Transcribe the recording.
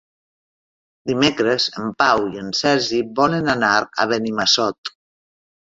Dimecres en Pau i en Sergi volen anar a Benimassot.